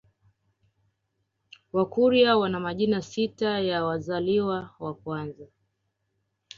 Wakurya wana majina sita ya wazaliwa wa kwanza